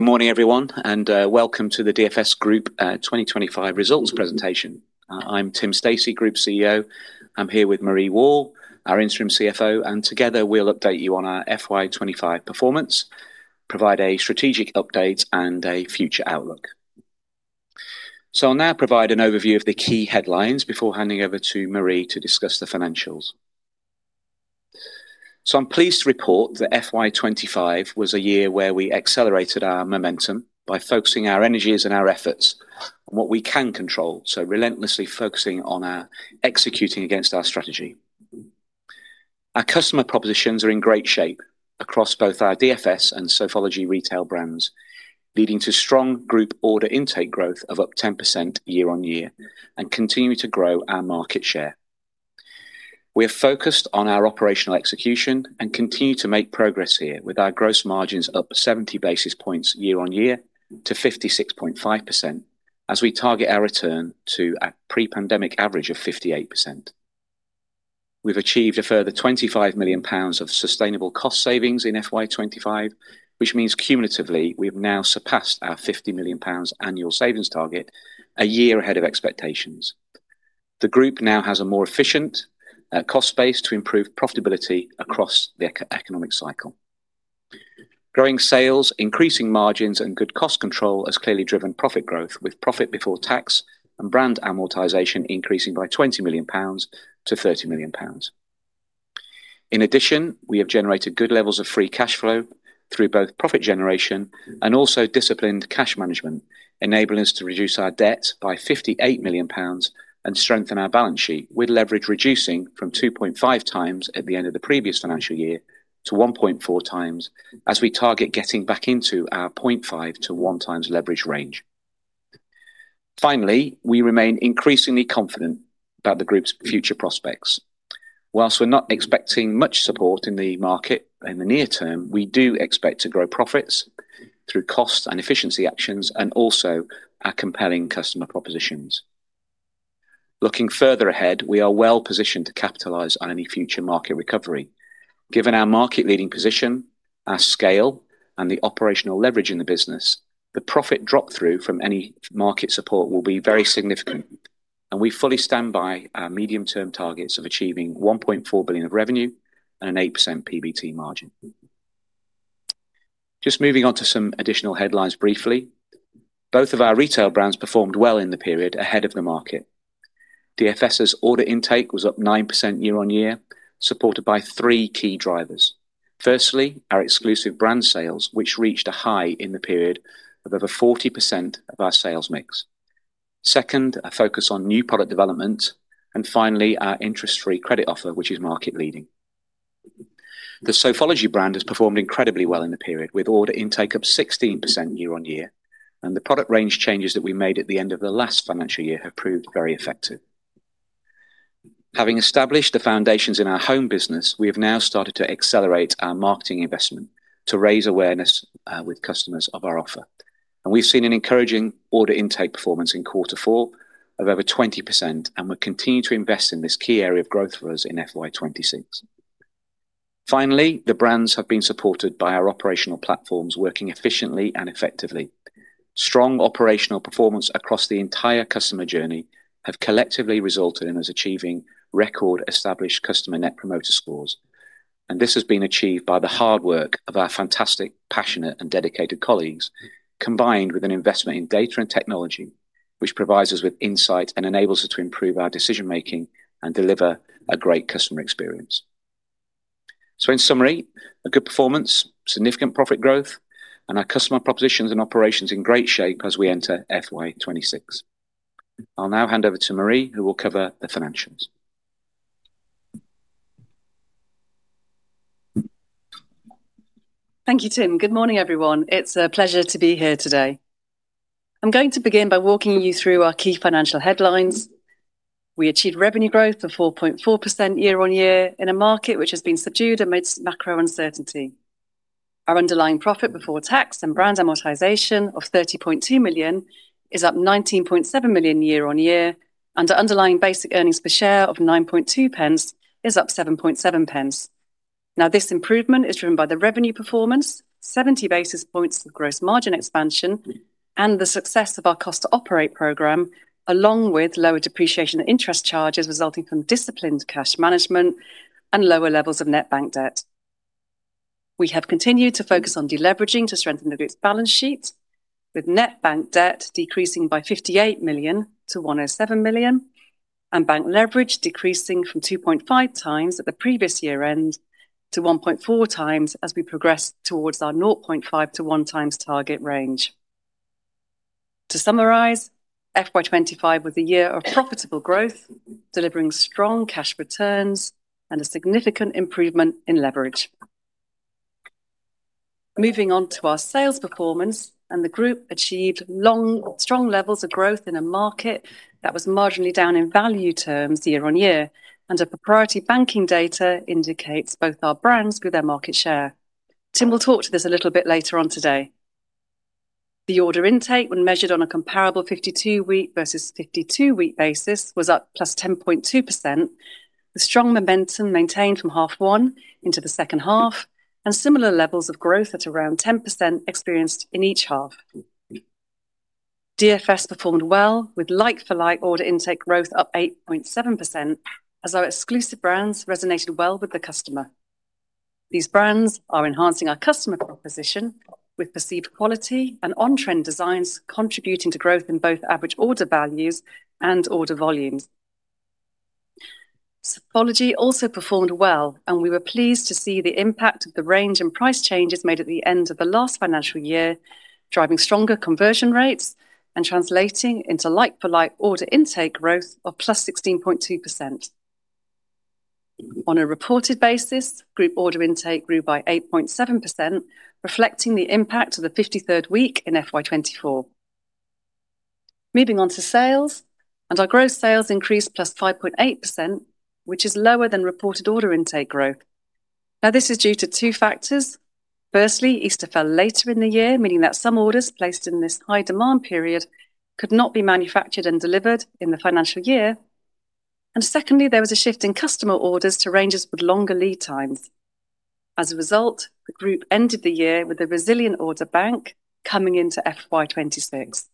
Good morning, everyone, and welcome to the DFS Group 2025 Results Presentation. I'm Tim Stacey, Group CEO. I'm here with Marie Wall, our Interim CFO, and together we'll update you on our FY 2025 performance, provide a strategic update, and a future outlook. I'll now provide an overview of the key headlines before handing over to Marie to discuss the financials. I'm pleased to report that FY 2025 was a year where we accelerated our momentum by focusing our energies and our efforts on what we can control, relentlessly focusing on executing against our strategy. Our customer propositions are in great shape across both our DFS and Sofology retail brands, leading to strong group order intake growth of up 10% year-on-year and continuing to grow our market share. We are focused on our operational execution and continue to make progress here with our gross margins up 70 basis points year-on-year to 56.5% as we target our return to a pre-pandemic average of 58%. We've achieved a further 25 million pounds of sustainable cost savings in FY 2025, which means cumulatively we've now surpassed our 50 million pounds annual savings target a year ahead of expectations. The Group now has a more efficient cost base to improve profitability across the economic cycle. Growing sales, increasing margins, and good cost control has clearly driven profit growth with profit before tax and brand amortization increasing by 20 million pounds to 30 million pounds. In addition, we have generated good levels of free cash flow through both profit generation and also disciplined cash management, enabling us to reduce our debt by 58 million pounds and strengthen our balance sheet with leverage reducing from 2.5x at the end of the previous financial year to 1.4x as we target getting back into our 0.5x-1x leverage range. Finally, we remain increasingly confident about the Group's future prospects. Whilst we're not expecting much support in the market in the near term, we do expect to grow profits through cost and efficiency actions and also our compelling customer propositions. Looking further ahead, we are well positioned to capitalize on any future market recovery. Given our market-leading position, our scale, and the operational leverage in the business, the profit drop-through from any market support will be very significant, and we fully stand by our medium-term targets of achieving 1.4 billion of revenue and an 8% PBT margin. Just moving on to some additional headlines briefly, both of our retail brands performed well in the period ahead of the market. DFS's order intake was up 9% year-on-year, supported by three key drivers. Firstly, our exclusive brand sales, which reached a high in the period of over 40% of our sales mix. Second, a focus on new product development, and finally, our interest-free credit offer, which is market-leading. The Sofology brand has performed incredibly well in the period, with order intake up 16% year-on-year, and the product range changes that we made at the end of the last financial year have proved very effective. Having established the foundations in our home business, we have now started to accelerate our marketing investment to raise awareness with customers of our offer. We have seen an encouraging order intake performance in quarter four of over 20%, and we'll continue to invest in this key area of growth for us in FY 2026. Finally, the brands have been supported by our operational platforms working efficiently and effectively. Strong operational performance across the entire customer journey has collectively resulted in us achieving record established customer net promoter scores. This has been achieved by the hard work of our fantastic, passionate, and dedicated colleagues, combined with an investment in data and technology, which provides us with insights and enables us to improve our decision-making and deliver a great customer experience. In summary, a good performance, significant profit growth, and our customer propositions and operations in great shape as we enter FY 2026. I'll now hand over to Marie, who will cover the financials. Thank you, Tim. Good morning, everyone. It's a pleasure to be here today. I'm going to begin by walking you through our key financial headlines. We achieved revenue growth of 4.4% year-on-year in a market which has been subdued amidst macro uncertainty. Our underlying profit before tax and brand amortization of 30.2 million is up 19.7 million year-on-year, and our underlying basic earnings per share of 0.092 is up 0.077. This improvement is driven by the revenue performance, 70 basis points of gross margin expansion, and the success of our Cost to Operate program, along with lower depreciation and interest charges resulting from disciplined cash management and lower levels of net bank debt. We have continued to focus on deleveraging to strengthen the Group's balance sheet, with net bank debt decreasing by 58 million to 107 million, and bank leverage decreasing from 2.5x at the previous year end to 1.4x as we progress towards our 0.5x-1x target range. To summarize, FY 2025 was a year of profitable growth, delivering strong cash returns and a significant improvement in leverage. Moving on to our sales performance, the Group achieved strong levels of growth in a market that was marginally down in value terms year-on-year, and our proprietary banking data indicates both our brands with their market share. Tim will talk to this a little bit later on today. The order intake, when measured on a comparable 52-week versus 52-week basis, was up +10.2%, with strong momentum maintained from half one into the second half, and similar levels of growth at around 10% experienced in each half. DFS performed well with like-for-like order intake growth up 8.7%, as our exclusive brands resonated well with the customer. These brands are enhancing our customer proposition with perceived quality and on-trend designs contributing to growth in both average order values and order volumes. Sofology also performed well, and we were pleased to see the impact of the range and price changes made at the end of the last financial year, driving stronger conversion rates and translating into like-for-like order intake growth of +16.2%. On a reported basis, group order intake grew by 8.7%, reflecting the impact of the 53rd week in FY 2024. Moving on to sales, our gross sales increased +5.8%, which is lower than reported order intake growth. This is due to two factors. Firstly, Easter fell later in the year, meaning that some orders placed in this high demand period could not be manufactured and delivered in the financial year. Secondly, there was a shift in customer orders to ranges with longer lead times. As a result, the Group ended the year with a resilient order bank coming into FY 2026.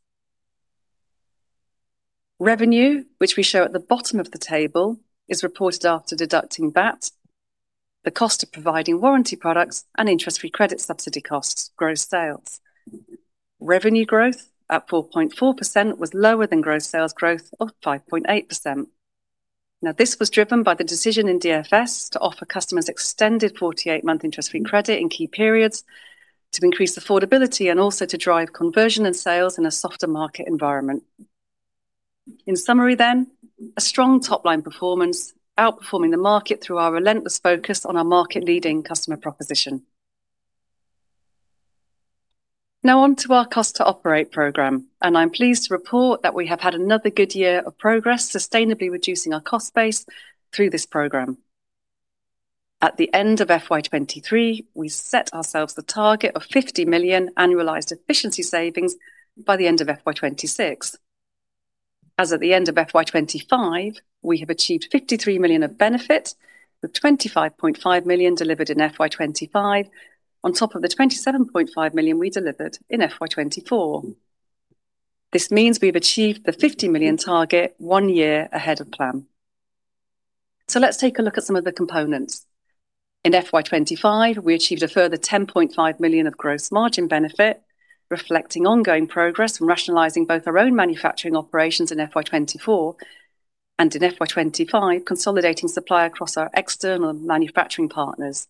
Revenue, which we show at the bottom of the table, is reported after deducting VAT, the cost of providing warranty products, and interest-free credit subsidy costs from gross sales. Revenue growth at 4.4% was lower than gross sales growth of 5.8%. This was driven by the decision in DFS to offer customers extended 48-month interest-free credit in key periods to increase affordability and also to drive conversion and sales in a softer market environment. In summary, a strong top-line performance outperforming the market through our relentless focus on our market-leading customer proposition. Now, on to our Cost to Operate program, and I'm pleased to report that we have had another good year of progress sustainably reducing our cost base through this program. At the end of FY 2023, we set ourselves the target of 50 million annualized efficiency savings by the end of FY 2026. As at the end of FY 2025, we have achieved 53 million of benefit, with 25.5 million delivered in FY 2025, on top of the 27.5 million we delivered in FY 2024. This means we've achieved the 50 million target one year ahead of plan. Let's take a look at some of the components. In FY 2025, we achieved a further 10.5 million of gross margin benefit, reflecting ongoing progress in rationalizing both our own manufacturing operations in FY 2024 and in FY 2025, consolidating supply across our external manufacturing partners.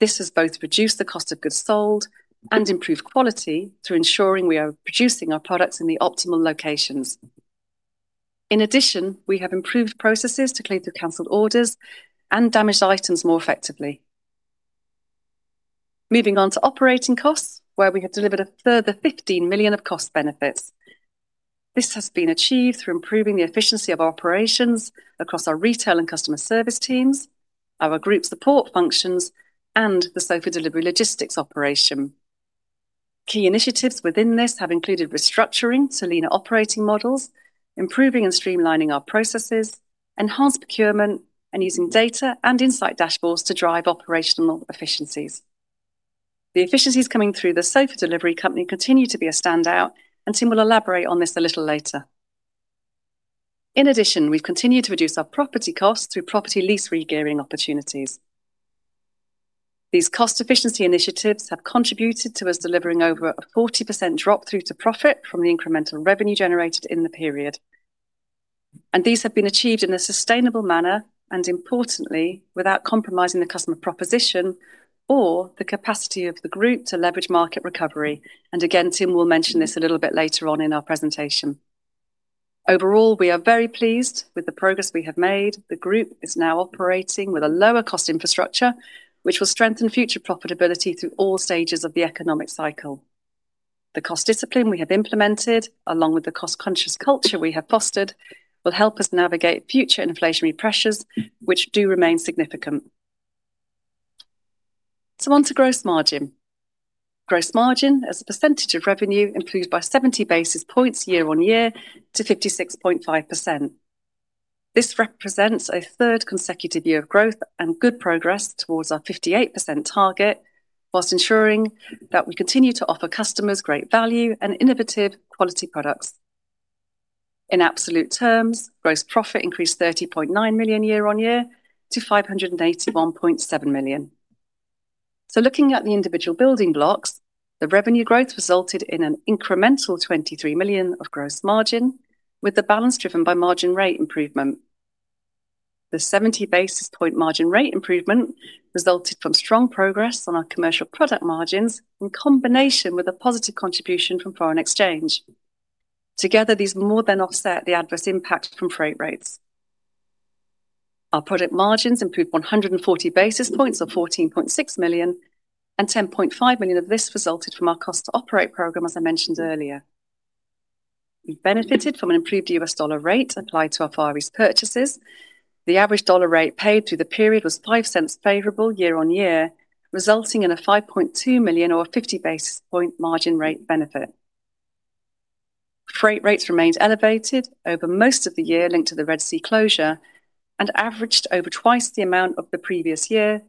This has both reduced the cost of goods sold and improved quality through ensuring we are producing our products in the optimal locations. In addition, we have improved processes to clear canceled orders and damaged items more effectively. Moving on to operating costs, we have delivered a further 15 million of cost benefits. This has been achieved through improving the efficiency of operations across our retail and customer service teams, our group support functions, and The Sofa Delivery logistics operation. Key initiatives within this have included restructuring to leaner operating models, improving and streamlining our processes, enhanced procurement, and using data and insight dashboards to drive operational efficiencies. The efficiencies coming through The Sofa Delivery Company continue to be a standout, and Tim will elaborate on this a little later. In addition, we've continued to reduce our property costs through property lease regearing opportunities. These cost efficiency initiatives have contributed to us delivering over a 40% drop-through to profit from the incremental revenue generated in the period. These have been achieved in a sustainable manner and, importantly, without compromising the customer proposition or the capacity of the Group to leverage market recovery. Tim will mention this a little bit later on in our presentation. Overall, we are very pleased with the progress we have made. The Group is now operating with a lower cost infrastructure, which will strengthen future profitability through all stages of the economic cycle. The cost discipline we have implemented, along with the cost-conscious culture we have fostered, will help us navigate future inflationary pressures, which do remain significant. On to gross margin. Gross margin as a percentage of revenue improved by 70 basis points year-on-year to 56.5%. This represents a third consecutive year of growth and good progress towards our 58% target, whilst ensuring that we continue to offer customers great value and innovative quality products. In absolute terms, gross profit increased 30.9 million year-on-year to 581.7 million. Looking at the individual building blocks, the revenue growth resulted in an incremental 23 million of gross margin, with the balance driven by margin rate improvement. The 70 basis point margin rate improvement resulted from strong progress on our commercial product margins in combination with a positive contribution from foreign exchange. Together, these more than offset the adverse impact from freight rates. Our product margins improved 140 basis points or 14.6 million, and 10.5 million of this resulted from our Cost to Operate program, as I mentioned earlier. We benefited from an improved U.S. dollar rate applied to our fare purchases. The average dollar rate paid through the period was $0.05 favorable year-on-year, resulting in a 5.2 million or a 50 basis point margin rate benefit. Freight rates remained elevated over most of the year linked to the Red Sea closure and averaged over twice the amount of the previous year,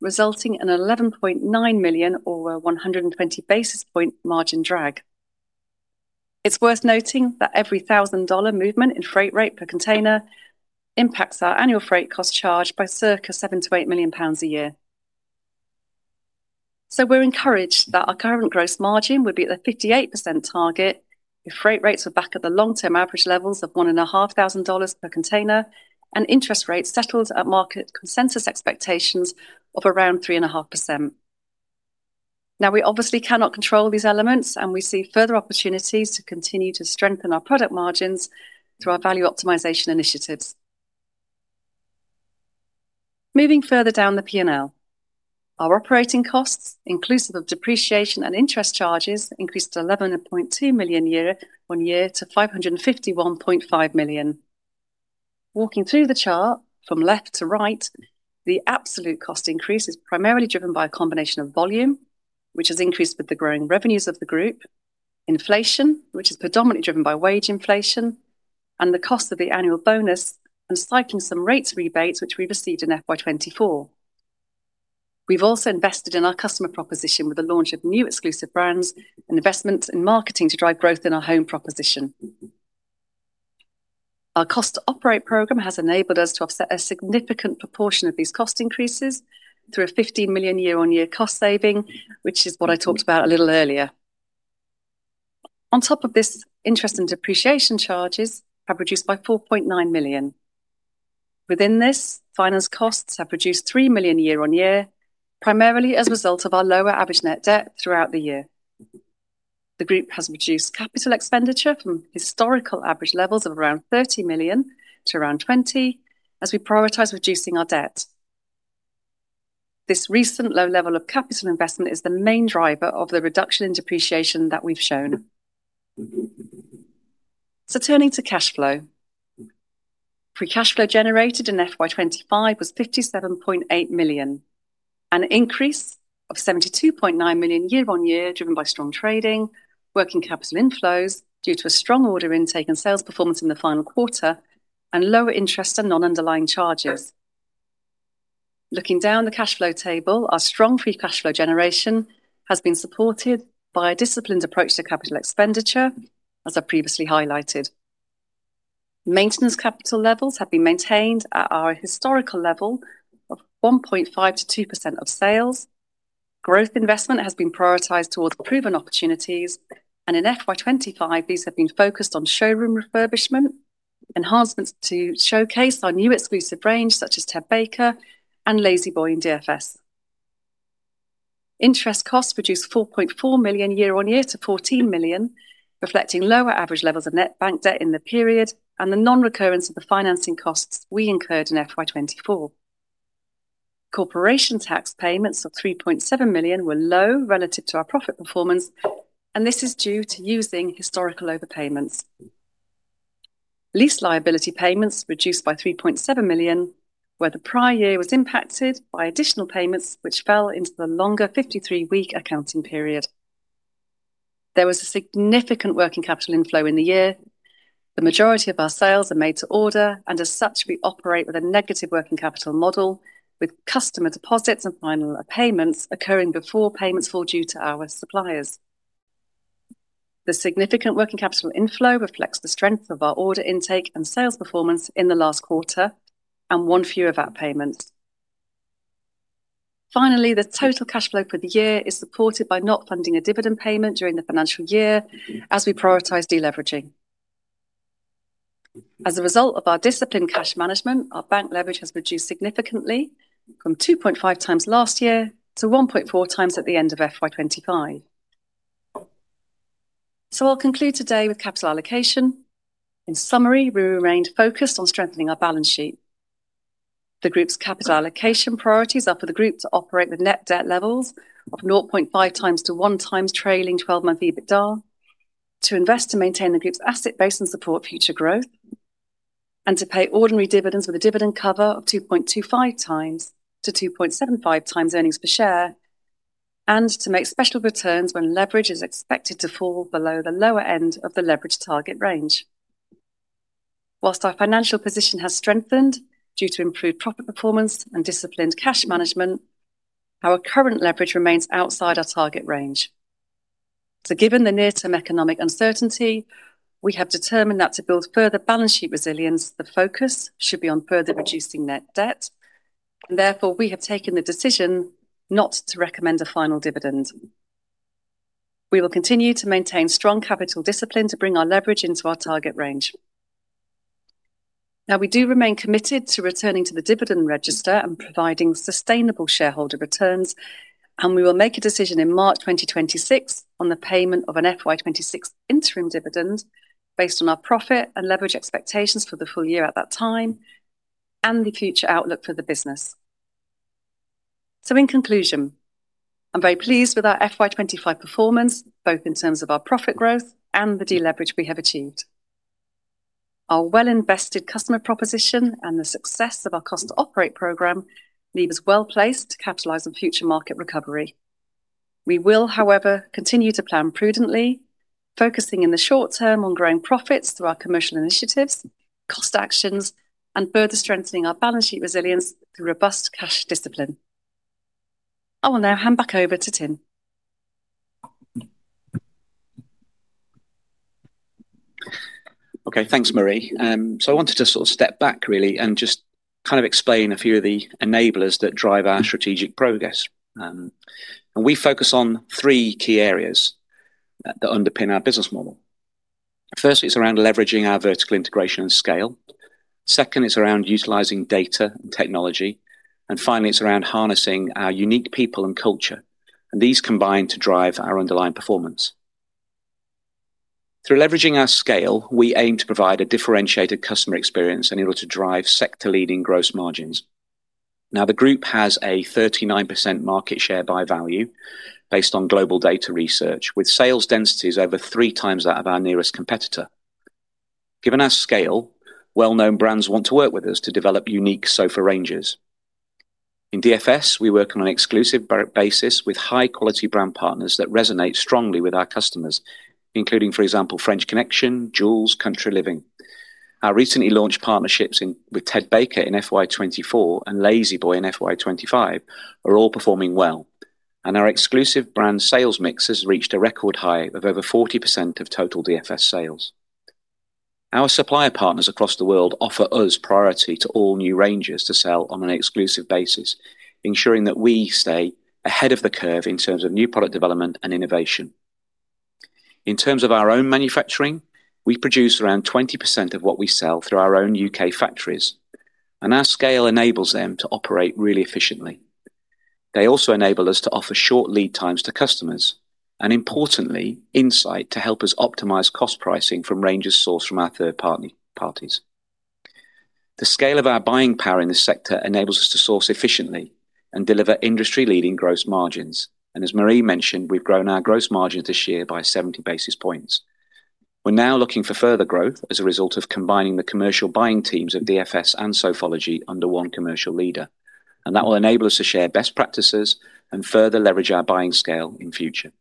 resulting in 11.9 million or a 120 basis point margin drag. It's worth noting that every $1,000 movement in freight rate per container impacts our annual freight cost charge by circa 7 million-8 million pounds a year. We're encouraged that our current gross margin would be at the 58% target if freight rates were back at the long-term average levels of $1,500 per container and interest rates settled at market consensus expectations of around 3.5%. We obviously cannot control these elements, and we see further opportunities to continue to strengthen our product margins through our value optimization initiatives. Moving further down the P&L, our operating costs, inclusive of depreciation and interest charges, increased by 11.2 million year-on-year to 551.5 million. Walking through the chart from left to right, the absolute cost increase is primarily driven by a combination of volume, which has increased with the growing revenues of the Group, inflation, which is predominantly driven by wage inflation, and the cost of the annual bonus and cycling some rates rebates which we've received in FY 2024. We've also invested in our customer proposition with the launch of new exclusive brands and investment in marketing to drive growth in our home proposition. Our Cost to Operate program has enabled us to offset a significant proportion of these cost increases through a 15 million year-on-year cost saving, which is what I talked about a little earlier. On top of this, interest and depreciation charges have reduced by 4.9 million. Within this, finance costs have reduced 3 million year-on-year, primarily as a result of our lower average net debt throughout the year. The Group has reduced capital expenditure from historical average levels of around 30 million to around 20 million as we prioritize reducing our debt. This recent low level of capital investment is the main driver of the reduction in depreciation that we've shown. Turning to cash flow, free cash flow generated in FY 2025 was 57.8 million, an increase of 72.9 million year-on-year, driven by strong trading, working capital inflows due to a strong order intake and sales performance in the final quarter, and lower interest and non-underlying charges. Looking down the cash flow table, our strong free cash flow generation has been supported by a disciplined approach to capital expenditure, as I previously highlighted. Maintenance capital levels have been maintained at our historical level of 1.5%-2% of sales. Growth investment has been prioritized towards proven opportunities, and in FY 2025, these have been focused on showroom refurbishment, enhancements to showcase our new exclusive brands such as Ted Baker and La-Z-Boy in DFS. Interest costs reduced 4.4 million year-on-year to 14 million, reflecting lower average levels of net bank debt in the period and the non-recurrence of the financing costs we incurred in FY 2024. Corporation tax payments of 3.7 million were low relative to our profit performance, and this is due to using historical overpayments. Lease liability payments reduced by 3.7 million, where the prior year was impacted by additional payments which fell into the longer 53-week accounting period. There was a significant working capital inflow in the year. The majority of our sales are made to order, and as such, we operate with a negative working capital model with customer deposits and final payments occurring before payments fall due to our suppliers. The significant working capital inflow reflects the strength of our order intake and sales performance in the last quarter and one fewer VAT payment. Finally, the total cash flow for the year is supported by not funding a dividend payment during the financial year as we prioritize deleveraging. As a result of our disciplined cash management, our bank leverage has reduced significantly from 2.5x last year to 1.4x at the end of FY 2025. I will conclude today with capital allocation. In summary, we remained focused on strengthening our balance sheet. The Group's capital allocation priorities are for the Group to operate with net debt levels of 0.5x-1x trailing 12-month EBITDA, to invest to maintain the Group's asset base and support future growth, to pay ordinary dividends with a dividend cover of 2.25x-2.75x earnings per share, and to make special returns when leverage is expected to fall below the lower end of the leverage target range. Whilst our financial position has strengthened due to improved profit performance and disciplined cash management, our current leverage remains outside our target range. Given the near-term economic uncertainty, we have determined that to build further balance sheet resilience, the focus should be on further reducing net debt, and therefore we have taken the decision not to recommend a final dividend. We will continue to maintain strong capital discipline to bring our leverage into our target range. We do remain committed to returning to the dividend register and providing sustainable shareholder returns, and we will make a decision in March 2026 on the payment of an FY 2026 interim dividend based on our profit and leverage expectations for the full year at that time and the future outlook for the business. In conclusion, I'm very pleased with our FY 2025 performance, both in terms of our profit growth and the deleveraging we have achieved. Our well-invested customer proposition and the success of our Cost to Operate program leave us well placed to capitalize on future market recovery. We will, however, continue to plan prudently, focusing in the short term on growing profits through our commercial initiatives, cost actions, and further strengthening our balance sheet resilience through robust cash discipline. I will now hand back over to Tim. Okay, thanks, Marie. I wanted to sort of step back really and just kind of explain a few of the enablers that drive our strategic progress. We focus on three key areas that underpin our business model. First, it's around leveraging our vertical integration and scale. Second, it's around utilizing data and technology. Finally, it's around harnessing our unique people and culture. These combine to drive our underlying performance. Through leveraging our scale, we aim to provide a differentiated customer experience in order to drive sector-leading gross margins. The Group has a 39% market share by value based on GlobalData research, with sales densities over 3x that of our nearest competitor. Given our scale, well-known brands want to work with us to develop unique sofa ranges. In DFS, we work on an exclusive basis with high-quality brand partners that resonate strongly with our customers, including, for example, French Connection, Joules, Country Living. Our recently launched partnerships with Ted Baker in FY 2024 and La-Z-Boy in FY 2025 are all performing well. Our exclusive brand sales mix has reached a record high of over 40% of total DFS sales. Our supplier partners across the world offer us priority to all new ranges to sell on an exclusive basis, ensuring that we stay ahead of the curve in terms of new product development and innovation. In terms of our own manufacturing, we produce around 20% of what we sell through our own U.K. factories, and our scale enables them to operate really efficiently. They also enable us to offer short lead times to customers and, importantly, insight to help us optimize cost pricing from ranges sourced from our third-party parties. The scale of our buying power in the sector enables us to source efficiently and deliver industry-leading gross margins. As Marie mentioned, we've grown our gross margins this year by 70 basis points. We're now looking for further growth as a result of combining the commercial buying teams of DFS and Sofology under one commercial leader. That will enable us to share best practices and further leverage our buying scale in the future.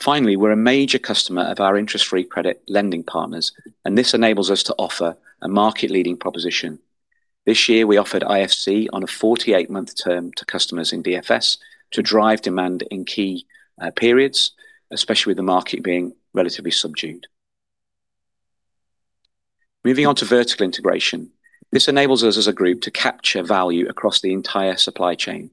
Finally, we're a major customer of our interest-free credit lending partners, and this enables us to offer a market-leading proposition. This year, we offered interest-free credit on a 48-month term to customers in DFS to drive demand in key periods, especially with the market being relatively subdued. Moving on to vertical integration, this enables us as a group to capture value across the entire supply chain.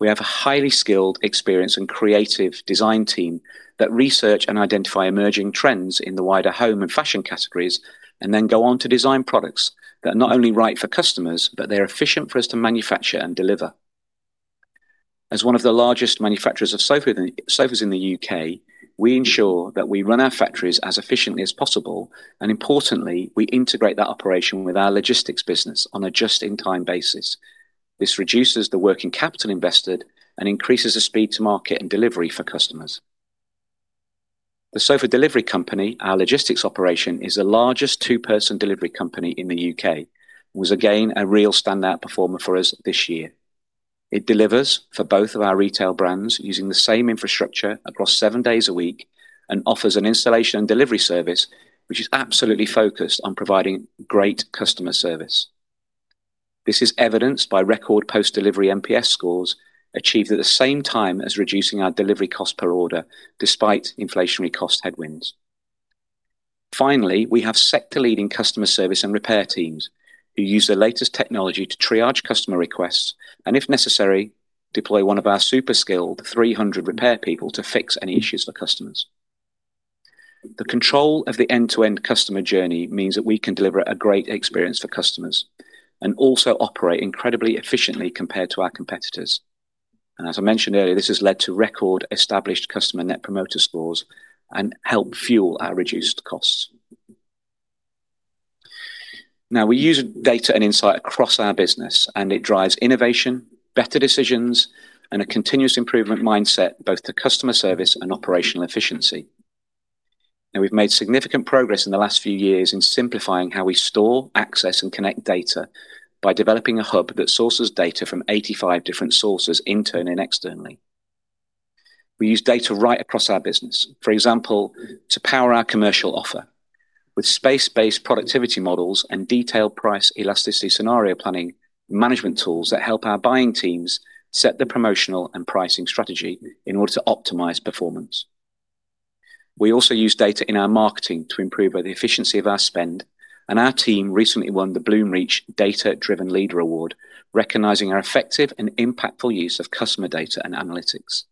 We have a highly skilled, experienced, and creative design team that research and identify emerging trends in the wider home and fashion categories and then go on to design products that are not only right for customers, but they're efficient for us to manufacture and deliver. As one of the largest manufacturers of sofas in the U.K., we ensure that we run our factories as efficiently as possible, and importantly, we integrate that operation with our logistics business on a just-in-time basis. This reduces the working capital invested and increases the speed to market and delivery for customers. The Sofa Delivery Company, our logistics operation, is the largest two-person delivery company in the U.K. and was again a real standout performer for us this year. It delivers for both of our retail brands using the same infrastructure across seven days a week and offers an installation and delivery service which is absolutely focused on providing great customer service. This is evidenced by record post-delivery NPS scores achieved at the same time as reducing our delivery cost per order despite inflationary cost headwinds. Finally, we have sector-leading customer service and repair teams who use the latest technology to triage customer requests and, if necessary, deploy one of our super skilled 300 repair people to fix any issues for customers. The control of the end-to-end customer journey means that we can deliver a great experience for customers and also operate incredibly efficiently compared to our competitors. As I mentioned earlier, this has led to record established customer net promoter scores and helped fuel our reduced costs. We use data and insight across our business, and it drives innovation, better decisions, and a continuous improvement mindset both to customer service and operational efficiency. We've made significant progress in the last few years in simplifying how we store, access, and connect data by developing a hub that sources data from 85 different sources internally and externally. We use data right across our business, for example, to power our commercial offer with space-based productivity models and detailed price elasticity scenario planning management tools that help our buying teams set the promotional and pricing strategy in order to optimize performance. We also use data in our marketing to improve the efficiency of our spend, and our team recently won the Bloomreach Data-Driven Leader Award, recognizing our effective and impactful use of customer data and analytics.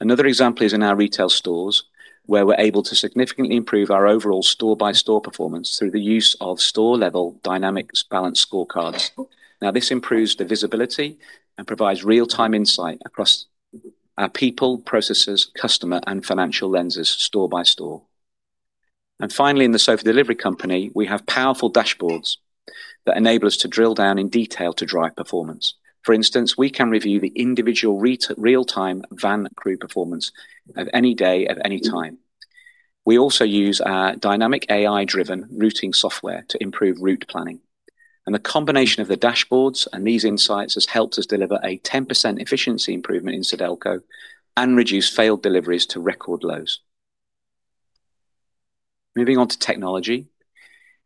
Another example is in our retail stores, where we're able to significantly improve our overall store-by-store performance through the use of store-level dynamic balance scorecards. This improves the visibility and provides real-time insight across our people, processes, customer, and financial lenses store by store. Finally, in The Sofa Delivery Company, we have powerful dashboards that enable us to drill down in detail to drive performance. For instance, we can review the individual real-time van crew performance at any day at any time. We also use our dynamic AI-driven routing software to improve route planning. The combination of the dashboards and these insights has helped us deliver a 10% efficiency improvement in Sofa Delivery Company and reduce failed deliveries to record lows. Moving on to technology,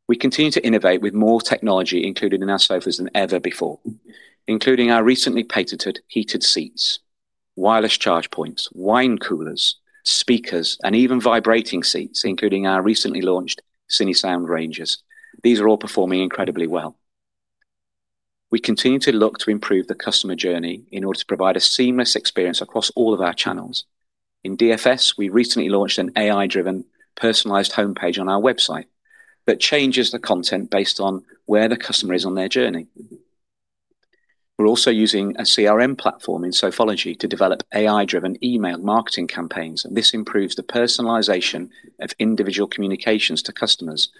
we continue to innovate with more technology included in our sofas than ever before, including our recently patented heated seats, wireless charge points, wine coolers, speakers, and even vibrating seats, including our recently launched Cinesound ranges. The`se are all performing incredibly well. We continue to look to improve the customer journey in order to provide a seamless experience across all of our channels. In DFS, we recently launched an AI-driven personalized homepage on our website that changes the content based on where the customer is on their journey. We're also using a CRM platform in Sofology to develop AI-driven email marketing campaigns, and this improves the personalization of individual communications to customers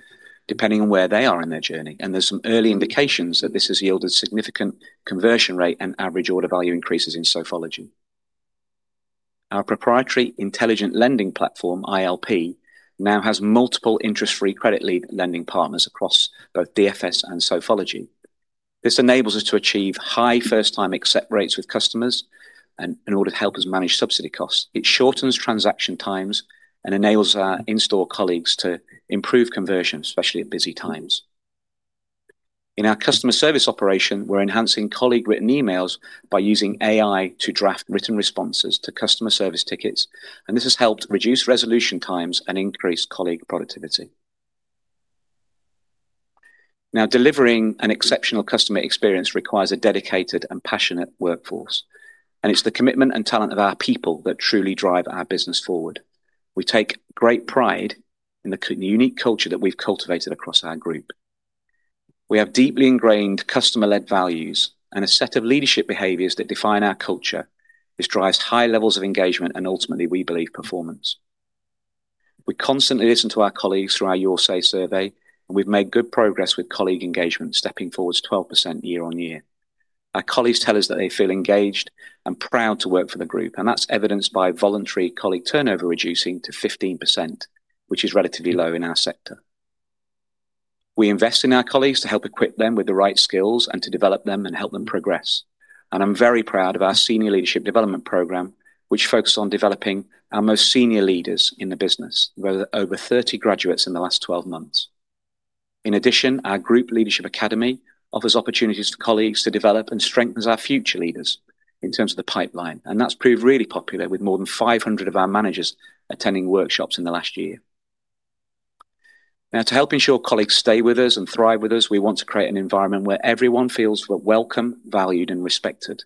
depending on where they are in their journey. There are some early indications that this has yielded significant conversion rate and average order value increases in Sofology. Our proprietary intelligent lending platform, ILP, now has multiple interest-free credit lending partners across both DFS and Sofology. This enables us to achieve high first-time accept rates with customers and in order to help us manage subsidy costs. It shortens transaction times and enables our in-store colleagues to improve conversion, especially at busy times. In our customer service operation, we're enhancing colleague written emails by using AI to draft written responses to customer service tickets, and this has helped reduce resolution times and increase colleague productivity. Now, delivering an exceptional customer experience requires a dedicated and passionate workforce, and it's the commitment and talent of our people that truly drive our business forward. We take great pride in the unique culture that we've cultivated across our group. We have deeply ingrained customer-led values and a set of leadership behaviors that define our culture. This drives high levels of engagement and, ultimately, we believe performance. We constantly listen to our colleagues through our Your Say survey, and we've made good progress with colleague engagement, stepping forward to 12% year-on-year. Our colleagues tell us that they feel engaged and proud to work for the Group, and that's evidenced by voluntary colleague turnover reducing to 15%, which is relatively low in our sector. We invest in our colleagues to help equip them with the right skills and to develop them and help them progress. I'm very proud of our Senior Leadership Development Program, which focuses on developing our most senior leaders in the business, over 30 graduates in the last 12 months. In addition, our Group Leadership Academy offers opportunities for colleagues to develop and strengthen our future leaders in terms of the pipeline, and that's proved really popular with more than 500 of our managers attending workshops in the last year. Now, to help ensure colleagues stay with us and thrive with us, we want to create an environment where everyone feels welcome, valued, and respected.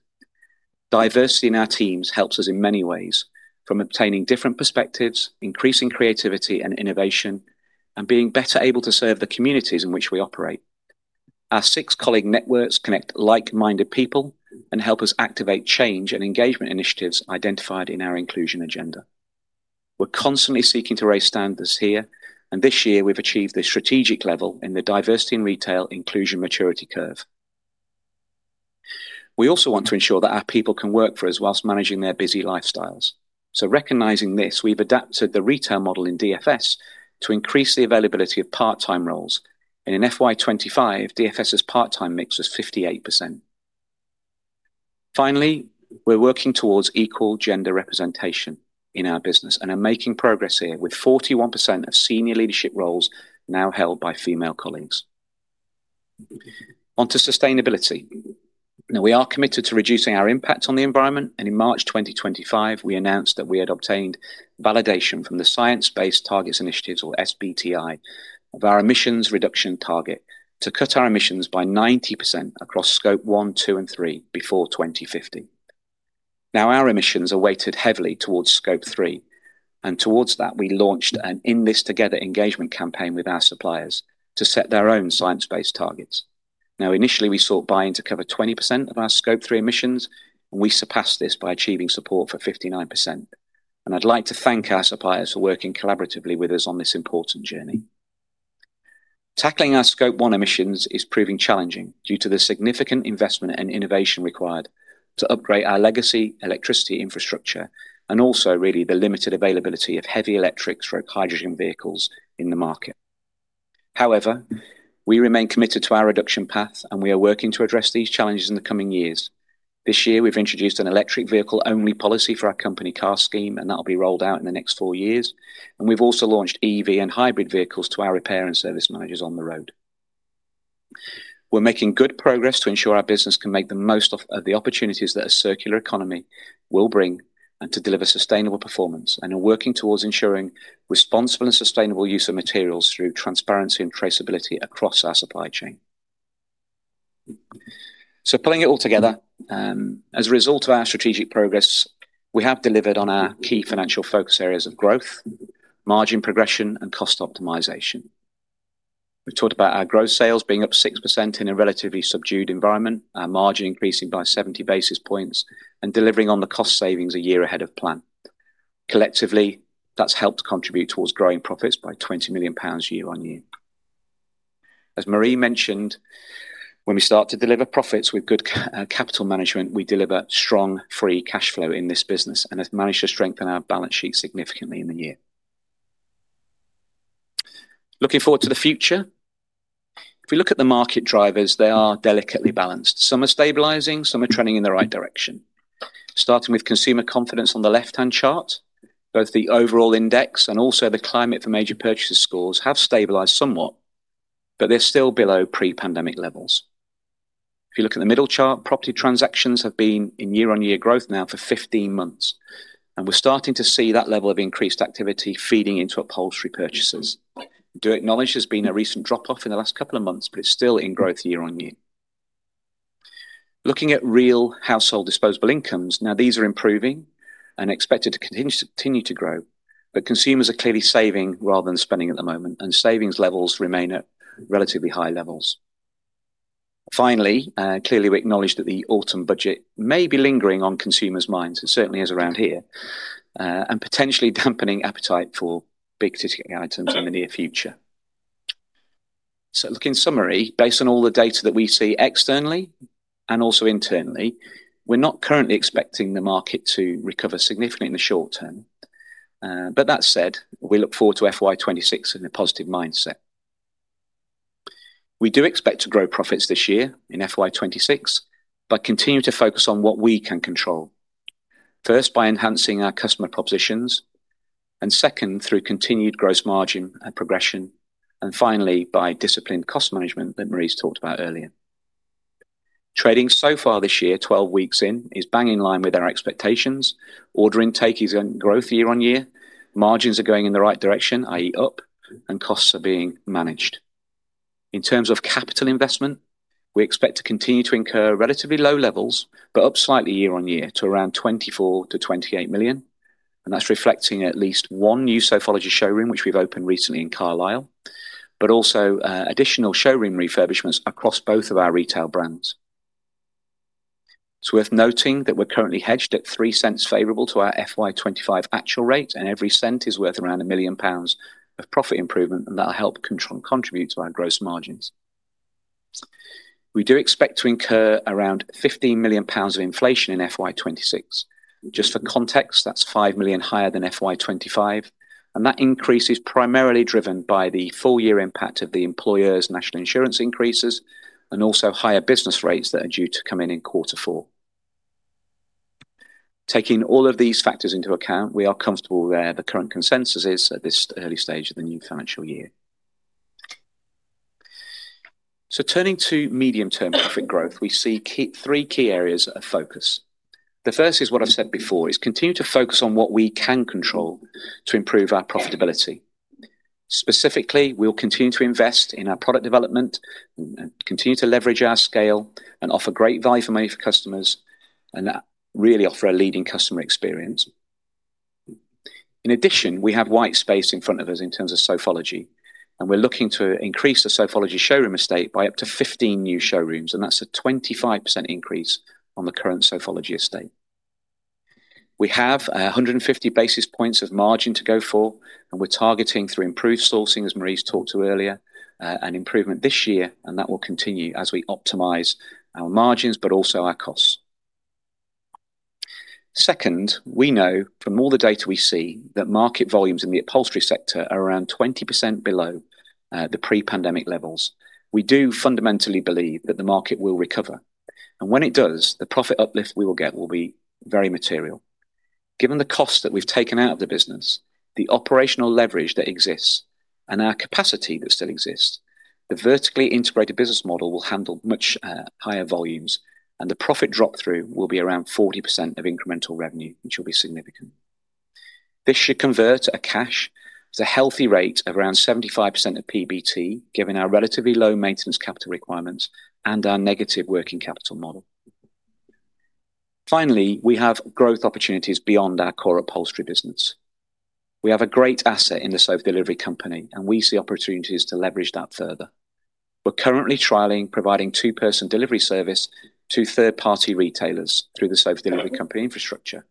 Diversity in our teams helps us in many ways, from obtaining different perspectives, increasing creativity and innovation, and being better able to serve the communities in which we operate. Our six colleague networks connect like-minded people and help us activate change and engagement initiatives identified in our inclusion agenda. We're constantly seeking to raise standards here, and this year we've achieved a strategic level in the diversity in retail inclusion maturity curve. We also want to ensure that our people can work for us whilst managing their busy lifestyles. Recognizing this, we've adapted the retail model in DFS to increase the availability of part-time roles. In FY 2025, DFS's part-time mix was 58%. Finally, we're working towards equal gender representation in our business and are making progress here with 41% of senior leadership roles now held by female colleagues. On to sustainability. We are committed to reducing our impact on the environment, and in March 2025, we announced that we had obtained validation from the Science-Based Targets Initiative, or SBTI, of our emissions reduction target to cut our emissions by 90% across Scope 1, 2, and 3 before 2050. Our emissions are weighted heavily towards Scope 3, and towards that, we launched an In This Together engagement campaign with our suppliers to set their own science-based targets. Initially, we sought buy-in to cover 20% of our Scope 3 emissions. We surpassed this by achieving support for 59%. I'd like to thank our suppliers for working collaboratively with us on this important journey. Tackling our Scope 1 emissions is proving challenging due to the significant investment and innovation required to upgrade our legacy electricity infrastructure and also the limited availability of heavy electric hydrogen vehicles in the market. However, we remain committed to our reduction path, and we are working to address these challenges in the coming years. This year, we've introduced an electric vehicle only policy for our company car scheme, and that will be rolled out in the next four years. We've also launched EV and hybrid vehicles to our repair and service managers on the road. We're making good progress to ensure our business can make the most of the opportunities that a circular economy will bring and to deliver sustainable performance. We're working towards ensuring responsible and sustainable use of materials through transparency and traceability across our supply chain. Pulling it all together, as a result of our strategic progress, we have delivered on our key financial focus areas of growth: margin progression and cost optimization. We've talked about our gross sales being up 6% in a relatively subdued environment, our margin increasing by 70 basis points, and delivering on the cost savings a year ahead of plan. Collectively, that's helped contribute towards growing profits by 20 million pounds year-on-year. As Marie mentioned, when we start to deliver profits with good capital management, we deliver strong free cash flow in this business and have managed to strengthen our balance sheet significantly in the year. Looking forward to the future. If we look at the market drivers, they are delicately balanced. Some are stabilizing, some are trending in the right direction. Starting with consumer confidence on the left-hand chart, both the overall index and also the climate for major purchases scores have stabilized somewhat, but they're still below pre-pandemic levels. If you look at the middle chart, property transactions have been in year-on-year growth now for 15 months, and we're starting to see that level of increased activity feeding into upholstery purchases. Do acknowledge there has been a recent drop-off in the last couple of months, but it's still in growth year-on-year. Looking at real household disposable incomes, now these are improving and expected to continue to grow, but consumers are clearly saving rather than spending at the moment, and savings levels remain at relatively high levels. Finally, clearly we acknowledge that the autumn budget may be lingering on consumers' minds, it certainly is around here, and potentially dampening appetite for big ticket items in the near future. In summary, based on all the data that we see externally and also internally, we're not currently expecting the market to recover significantly in the short term. That said, we look forward to FY 2026 in a positive mindset. We do expect to grow profits this year in FY 2026 by continuing to focus on what we can control. First, by enhancing our customer propositions, and second, through continued gross margin progression, and finally, by disciplined cost management that Marie's talked about earlier. Trading so far this year, 12 weeks in, is bang in line with our expectations. Order intake is in growth year-on-year. Margins are going in the right direction, i.e., up, and costs are being managed. In terms of capital investment, we expect to continue to incur relatively low levels, but up slightly year-on-year to around 24 million-28 million, and that's reflecting at least one new Sofology showroom, which we've opened recently in Carlisle, but also additional showroom refurbishments across both of our retail brands. It's worth noting that we're currently hedged at $0.03 favorable to our FY 2025 actual rate, and every $0.01 is worth around 1 million pounds of profit improvement, and that'll help contribute to our gross margins. We do expect to incur around 15 million pounds of inflation in FY 2026. Just for context, that's 5 million higher than FY 2025, and that increase is primarily driven by the full-year impact of the employer's national insurance increases and also higher business rates that are due to come in in quarter four. Taking all of these factors into account, we are comfortable where the current consensus is at this early stage of the new financial year. Turning to medium-term profit growth, we see three key areas of focus. The first is what I've said before, continue to focus on what we can control to improve our profitability. Specifically, we'll continue to invest in our product development, continue to leverage our scale, and offer great value for customers and really offer a leading customer experience. In addition, we have white space in front of us in terms of Sofology, and we're looking to increase the Sofology showroom estate by up to 15 new showrooms, and that's a 25% increase on the current Sofology estate. We have 150 basis points of margin to go for, and we're targeting that through improved sourcing, as Marie's talked to earlier, and improvement this year, and that will continue as we optimize our margins but also our costs. Second, we know from all the data we see that market volumes in the upholstery sector are around 20% below the pre-pandemic levels. We do fundamentally believe that the market will recover, and when it does, the profit uplift we will get will be very material. Given the costs that we've taken out of the business, the operational leverage that exists, and our capacity that still exists, the vertically integrated business model will handle much higher volumes, and the profit drop-through will be around 40% of incremental revenue, which will be significant. This should convert to cash at a healthy rate of around 75% of PBT, given our relatively low maintenance capital requirements and our negative working capital model. Finally, we have growth opportunities beyond our core upholstery business. We have a great asset in The Sofa Delivery Company, and we see opportunities to leverage that further. We're currently trialing providing two-person delivery service to third-party retailers through The Sofa Delivery Company infrastructure.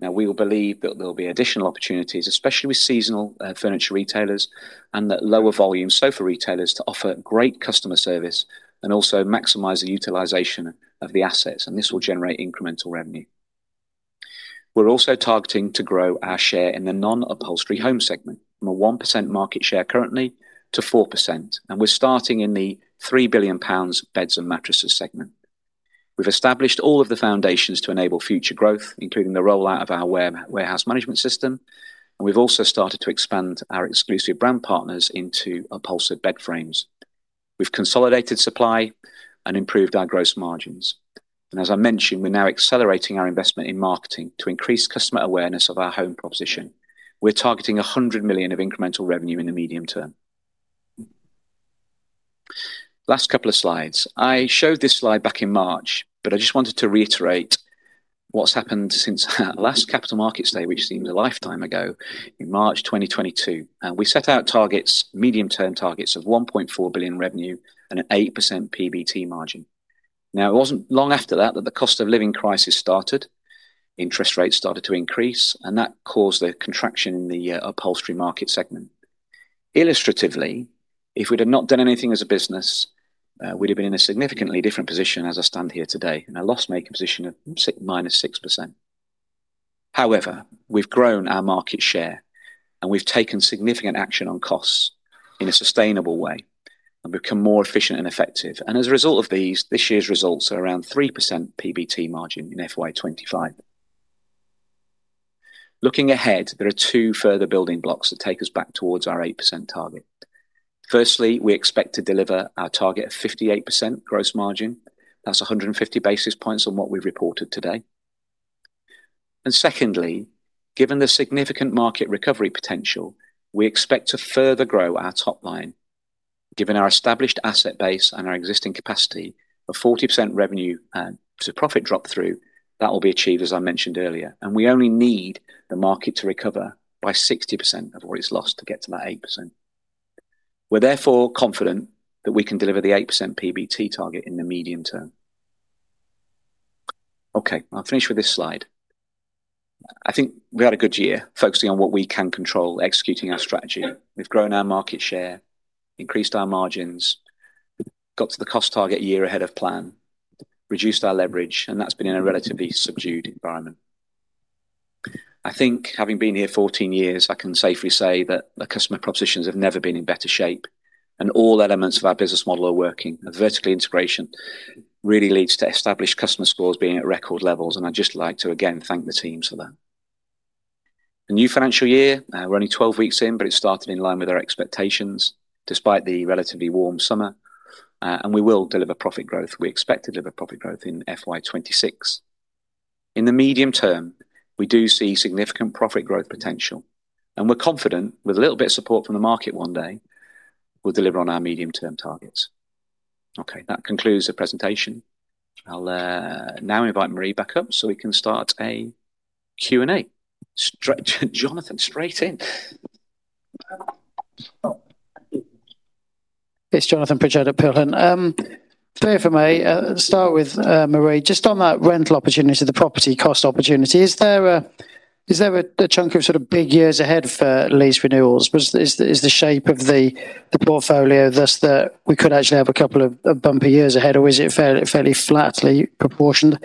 We believe that there will be additional opportunities, especially with seasonal furniture retailers and the lower volume sofa retailers, to offer great customer service and also maximize the utilization of the assets, and this will generate incremental revenue. We're also targeting to grow our share in the non-upholstery home segment from a 1% market share currently to 4%, and we're starting in the 3 billion pounds beds and mattresses segment. We've established all of the foundations to enable future growth, including the rollout of our warehouse management system, and we've also started to expand our exclusive brand partners into upholstered bed frames. We've consolidated supply and improved our gross margins. As I mentioned, we're now accelerating our investment in marketing to increase customer awareness of our home proposition. We're targeting 100 million of incremental revenue in the medium term. Last couple of slides. I showed this slide back in March, but I just wanted to reiterate what's happened since our last capital markets day, which seemed a lifetime ago, in March 2022. We set out targets, medium-term targets of 1.4 billion revenue and an 8% PBT margin. It wasn't long after that the cost of living crisis started, interest rates started to increase, and that caused a contraction in the upholstery market segment. Illustratively, if we'd not done anything as a business, we'd have been in a significantly different position as I stand here today, in a loss-maker position of -6%. However, we've grown our market share, and we've taken significant action on costs in a sustainable way, and become more efficient and effective. As a result of these, this year's results are around 3% PBT margin in FY 2025. Looking ahead, there are two further building blocks that take us back towards our 8% target. Firstly, we expect to deliver our target of 58% gross margin. That's 150 basis points on what we've reported today. Secondly, given the significant market recovery potential, we expect to further grow our top line, given our established asset base and our existing capacity of 40% revenue per profit drop-through that will be achieved, as I mentioned earlier. We only need the market to recover by 60% of what is lost to get to that 8%. We're therefore confident that we can deliver the 8% PBT target in the medium term. Okay, I'll finish with this slide. I think we had a good year focusing on what we can control, executing our strategy. We've grown our market share, increased our margins, got to the cost target a year ahead of plan, reduced our leverage, and that's been in a relatively subdued environment. I think having been here 14 years, I can safely say that the customer propositions have never been in better shape, and all elements of our business model are working. Vertical integration really leads to established customer scores being at record levels, and I'd just like to again thank the teams for that. The new financial year, we're only 12 weeks in, but it started in line with our expectations despite the relatively warm summer, and we will deliver profit growth. We expect to deliver profit growth in FY 2026. In the medium term, we do see significant profit growth potential, and we're confident with a little bit of support from the market one day, we'll deliver on our medium-term targets. Okay, that concludes the presentation. I'll now invite Marie back up so we can start a Q&A. Stretch Jonathan, straight in. It's Jonathan Pritchard at Peel Hunt. If they're here for me, I'll start with Marie. Just on that rental opportunity, the property cost opportunity, is there a chunk of sort of big years ahead for lease renewals? Is the shape of the portfolio thus that we could actually have a couple of bumpy years ahead, or is it fairly flatly proportioned?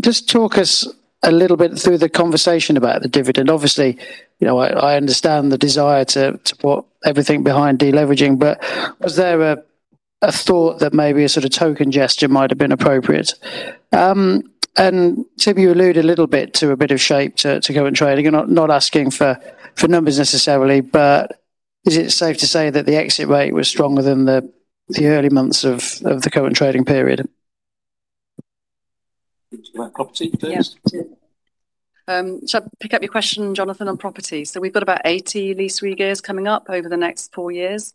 Just talk us a little bit through the conversation about the dividend. Obviously, you know I understand the desire to put everything behind deleveraging, but was there a thought that maybe a sort of token gesture might have been appropriate? Tim, you alluded a little bit to a bit of shape to current trading. I'm not asking for numbers necessarily, but is it safe to say that the exit rate was stronger than the early months of the current trading period? Yeah. I'd pick up your question, Jonathan, on properties. We've got about 80 lease renewals coming up over the next four years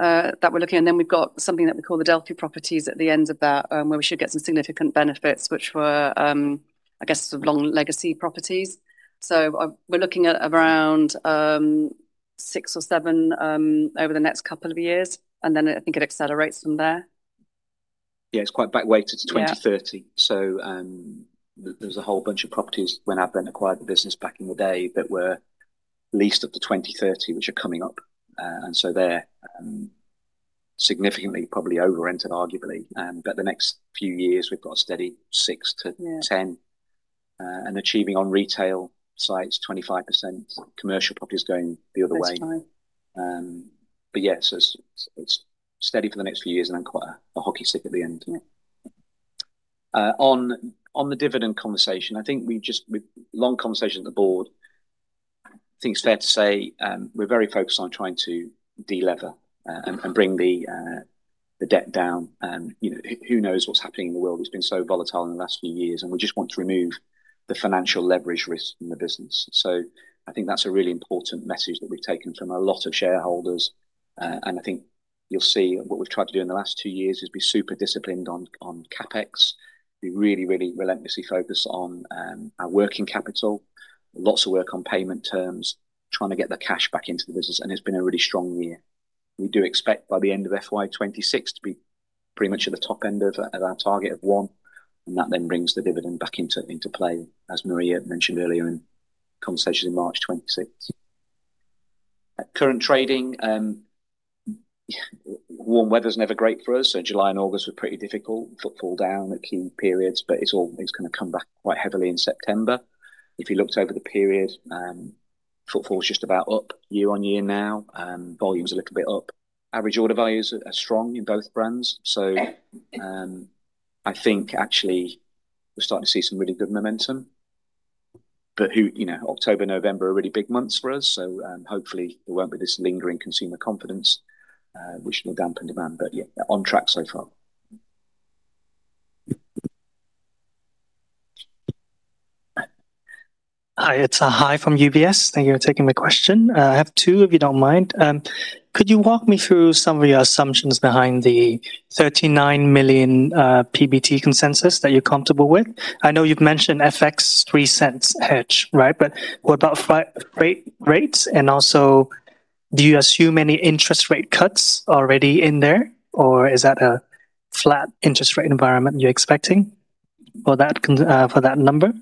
that we're looking at, and then we've got something that we call the Delphi properties at the end of that where we should get some significant benefits, which were, I guess, the long legacy properties. We're looking at around six or seven over the next couple of years, and I think it accelerates from there. Yeah, it's quite back-weighted to 2030. There's a whole bunch of properties when I acquired the business back in the day that were leased up to 2030, which are coming up. They're significantly probably over-rented, arguably. The next few years, we've got a steady 6-10 and achieving on retail sites, 25% commercial properties going the other way. It's steady for the next few years and then quite a hockey stick at the end. On the dividend conversation, we've had long conversations at the board. I think it's fair to say we're very focused on trying to delever and bring the debt down. Who knows what's happening in the world? It's been so volatile in the last few years, and we just want to remove the financial leverage risk in the business. I think that's a really important message that we've taken from a lot of shareholders. You'll see what we've tried to do in the last two years is be super disciplined on CapEx. We really, really relentlessly focus on our working capital, lots of work on payment terms, trying to get the cash back into the business, and it's been a really strong year. We do expect by the end of FY 2026 to be pretty much at the top end of our target of one, and that then brings the dividend back into play, as Marie mentioned earlier in conversations in March 2026. At current trading, warm weather is never great for us. July and August were pretty difficult. Football down at key periods, but it's all going to come back quite heavily in September. If you looked over the period, football is just about up year-on-year now. Volumes are a little bit up. Average order values are strong in both brands. I think actually we're starting to see some really good momentum. October and November are really big months for us. Hopefully there won't be this lingering consumer confidence, which will dampen demand, but yeah, on track so far. Hi, it's Hai from UBS. Thank you for taking the question. I have two, if you don't mind. Could you walk me through some of your assumptions behind the 39 million PBT consensus that you're comfortable with? I know you've mentioned FX $0.03 hedge, right? What about flat rates? Also, do you assume any interest rate cuts already in there, or is that a flat interest rate environment you're expecting for that number?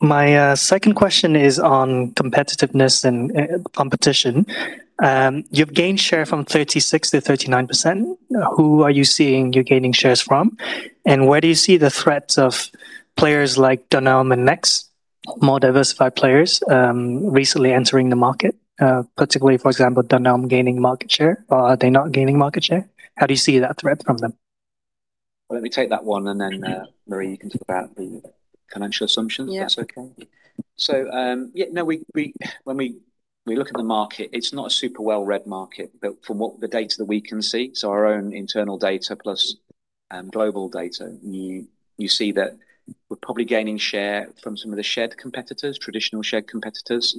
My second question is on competitiveness and competition. You've gained share from 36% to 39%. Who are you seeing you're gaining shares from? Where do you see the threats of players like Dunelm and Next, more diversified players, recently entering the market, particularly, for example, Dunelm gaining market share, or are they not gaining market share? How do you see that threat from them? Let me take that one, and then Marie, you can talk about the financial assumptions, if that's okay. When we look at the market, it's not a super well-read market, but from what the data that we can see, so our own internal data plus global data, you see that we're probably gaining share from some of the shared competitors, traditional shared competitors.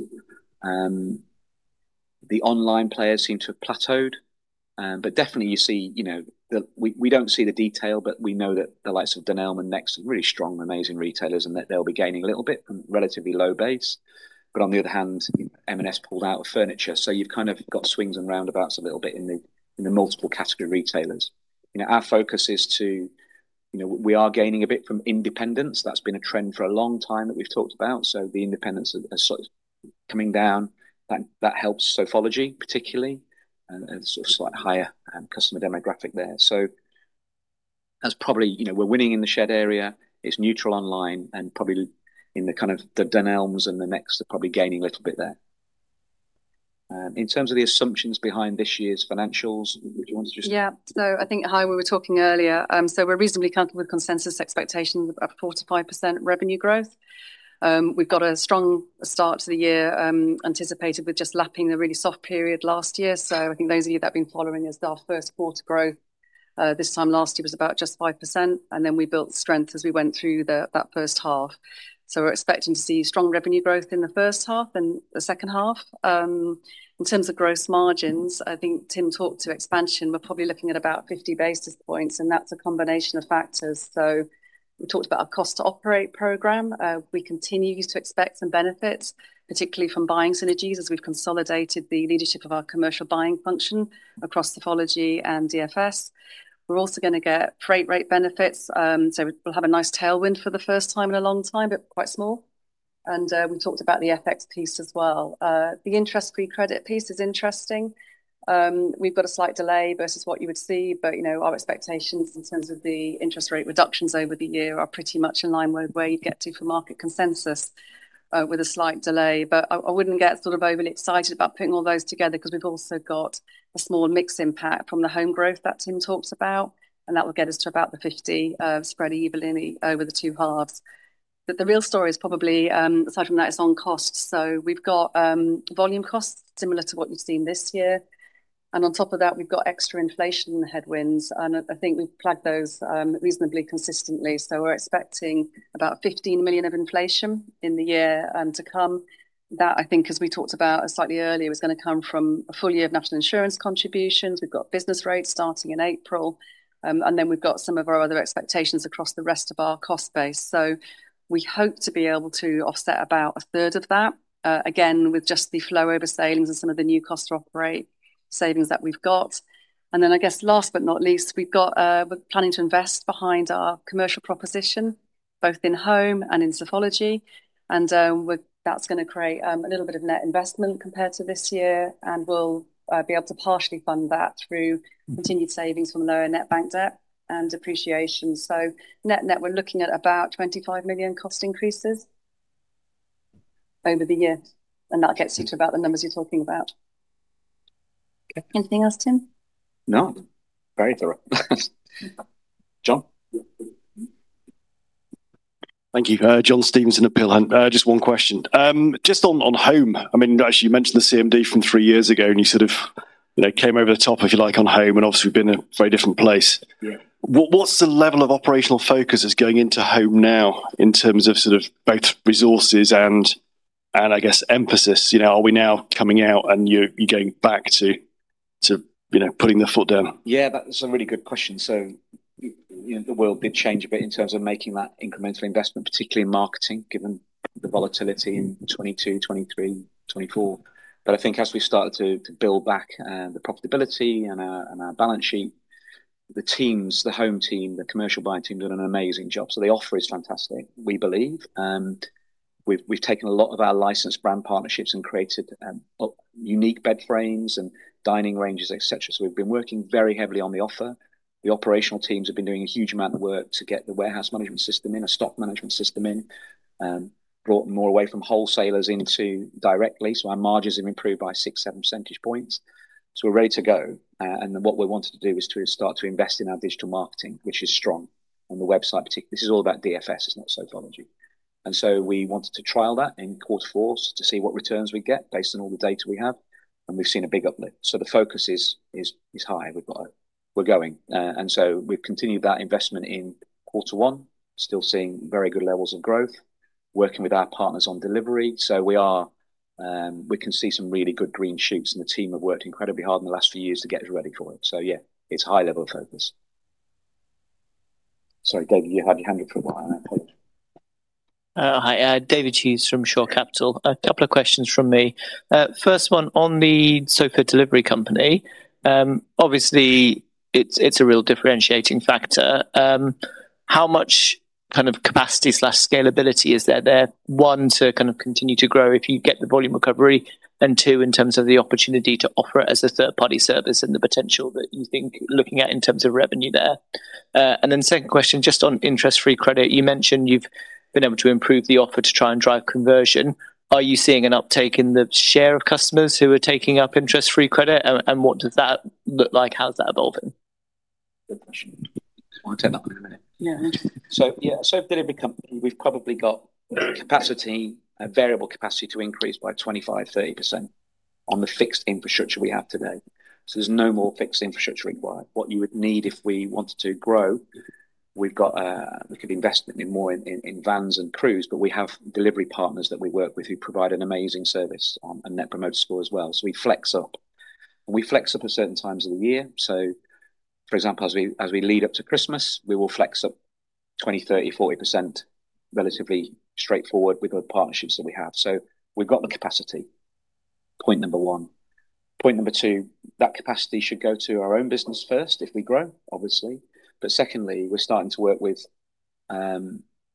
The online players seem to have plateaued, but definitely you see, we don't see the detail, but we know that the likes of Dunelm and Next are really strong, amazing retailers, and that they'll be gaining a little bit from a relatively low base. On the other hand, M&S pulled out of furniture, so you've kind of got swings and roundabouts a little bit in the multiple category retailers. Our focus is to, you know, we are gaining a bit from independents. That's been a trend for a long time that we've talked about. The independents are coming down. That helps Sofology, particularly, and it's a slightly higher customer demographic there. That's probably, you know, we're winning in the shared area. It's neutral online, and probably in the kind of the Dunelm and the Next are probably gaining a little bit there. In terms of the assumptions behind this year's financials, would you want to just... Yeah, no, I think, hi, we were talking earlier. We're reasonably comfortable with consensus expectations of a 4%-5% revenue growth. We've got a strong start to the year anticipated with just lapping the really soft period last year. I think those of you that have been following us, our first quarter growth this time last year was about just 5%, and then we built strength as we went through that first half. We're expecting to see strong revenue growth in the first half and the second half. In terms of gross margins, I think Tim talked to expansion. We're probably looking at about 50 basis points, and that's a combination of factors. We talked about our Cost to Operate program. We continue to expect some benefits, particularly from buying synergies, as we've consolidated the leadership of our commercial buying function across Sofology and DFS. We're also going to get freight rate benefits. We'll have a nice tailwind for the first time in a long time, but quite small. We talked about the FX piece as well. The interest-free credit piece is interesting. We've got a slight delay versus what you would see, but our expectations in terms of the interest rate reductions over the year are pretty much in line with where you'd get to for market consensus with a slight delay. I wouldn't get sort of overly excited about putting all those together because we've also got a small mix impact from the home growth that Tim talks about, and that will get us to about the 50 basis points spread evenly over the two halves. The real story is probably, aside from that, it's on cost. We've got volume costs similar to what you've seen this year. On top of that, we've got extra inflation in the headwinds, and I think we've flagged those reasonably consistently. We're expecting about 15 million of inflation in the year to come. That, I think, as we talked about slightly earlier, is going to come from a full year of national insurance contributions. We've got business rates starting in April, and then we've got some of our other expectations across the rest of our cost base. We hope to be able to offset about a third of that, again, with just the flow over savings and some of the new Cost to Operate savings that we've got. I guess last but not least, we're planning to invest behind our commercial proposition, both in home and in Sofology. That's going to create a little bit of net investment compared to this year, and we'll be able to partially fund that through continued savings from lower net bank debt and appreciation. Net net, we're looking at about 25 million cost increases over the year, and that gets you to about the numbers you're talking about. Anything else, Tim? No, very thorough. John? Thank you. John Stevenson at Peel Hunt. Just one question. Just on home, as you mentioned, the CMD from three years ago, and you sort of came over the top, if you like, on home, and obviously been in a very different place. What's the level of operational focus that's going into home now in terms of both resources and, I guess, emphasis? Are we now coming out and you're going back to putting the foot down? Yeah, that's a really good question. The world did change a bit in terms of making that incremental investment, particularly in marketing, given the volatility in 2022, 2023, 2024. I think as we started to build back the profitability and our balance sheet, the teams, the home team, the commercial buying team did an amazing job. The offer is fantastic, we believe. We've taken a lot of our licensed brand partnerships and created unique bed frames and dining ranges, et cetera. We've been working very heavily on the offer. The operational teams have been doing a huge amount of work to get the warehouse management system in, a stock management system in, brought more away from wholesalers into directly. Our margins have improved by 6%, 7% points. We're ready to go. What we wanted to do is to start to invest in our digital marketing, which is strong on the website. This is all about DFS, it's not Sofology. We wanted to trial that in quarter four to see what returns we get based on all the data we have. We've seen a big uplift. The focus is high. We're going. We've continued that investment in quarter one, still seeing very good levels of growth, working with our partners on delivery. We can see some really good green shoots, and the team have worked incredibly hard in the last few years to get us ready for it. Yeah, it's high level of focus. Sorry, David, you had your hand up for a while on that point. Hi, David Hughes from Shore Capital. A couple of questions from me. First one on The Sofa Delivery Company. Obviously, it's a real differentiating factor. How much kind of capacity/scalability is there there? One, to kind of continue to grow if you get the volume recovery, and two, in terms of the opportunity to offer it as a third-party service and the potential that you think looking at in terms of revenue there. Second question, just on interest-free credit, you mentioned you've been able to improve the offer to try and drive conversion. Are you seeing an uptake in the share of customers who are taking up interest-free credit, and what does that look like? How's that evolving? I'll take that one in a minute. Yeah, nice. The Sofa Delivery Company, we've probably got capacity, variable capacity to increase by 25%-30% on the fixed infrastructure we have today. There's no more fixed infrastructure required. What you would need if we wanted to grow is a bit of investment in more vans and crews, but we have delivery partners that we work with who provide an amazing service and net promoter score as well. We flex up at certain times of the year. For example, as we lead up to Christmas, we will flex up 20%, 30%, 40%—relatively straightforward with the partnerships that we have. We've got the capacity, point number one. Point number two, that capacity should go to our own business first if we grow, obviously. Secondly, we're starting to work with